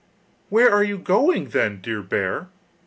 'Where are you going, then, dear bear?